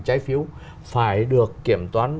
trái phiếu phải được kiểm toán